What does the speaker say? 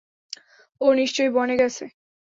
ও নিশ্চয়ই বনে গেছে।